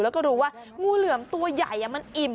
แล้วก็รู้ว่างูเหลือมตัวใหญ่มันอิ่ม